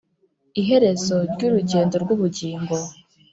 iherezo ry’urugendo rw’ubugingo